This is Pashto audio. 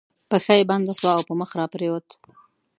پښه یې بنده شول او پر مخ را پرېوت.